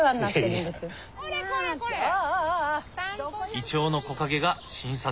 イチョウの木陰が診察室。